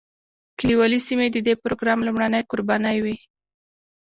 کلیوالي سیمې د دې پروګرام لومړنۍ قربانۍ وې.